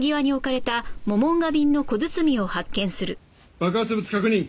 爆発物確認！